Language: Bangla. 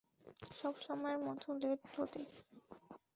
সবসময়ের মতো লেট লতিফ।